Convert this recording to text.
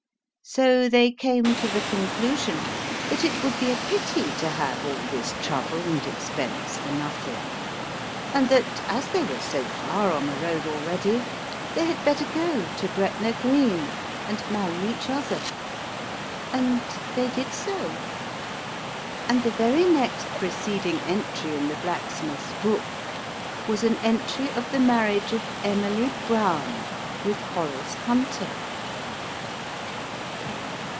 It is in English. So, they came to the conclusion that it would be a pity to have all this trouble and expense for nothing ; and that as they were so far on the road already, they had better go to Gretna Green, and marry each other ; and they did so. And the very next preceding entry in the Blacksmith's book, was an entry of the marriage of Emily Brown with Horace Hunter.